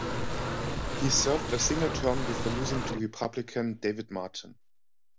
He served a single term before losing to Republican David Martin.